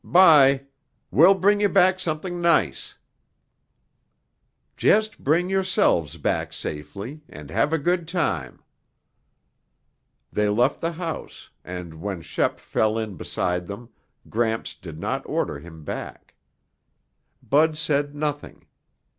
"'Bye. We'll bring you back something nice." "Just bring yourselves back safely, and have a good time." They left the house, and when Shep fell in beside them, Gramps did not order him back. Bud said nothing.